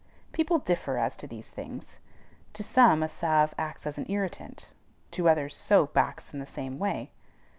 People differ as to these things. To some a salve acts as an irritant: to others soap acts in the same way.